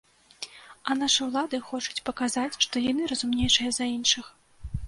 А нашы ўлады хочуць паказаць, што яны разумнейшыя за іншых.